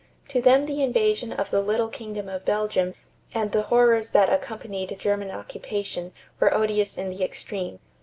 To them the invasion of the little kingdom of Belgium and the horrors that accompanied German occupation were odious in the extreme.